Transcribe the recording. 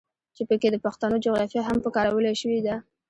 چې پکښې د پښتنو جغرافيه هم پکارولے شوې ده.